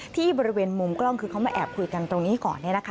ที่บริเวณมุมกล้องคือเขามาแอบคุยกันตรงนี้ก่อน